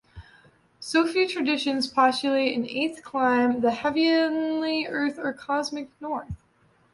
Sufi traditions postulate an eighth clime, the "heavenly Earth" or "cosmic North".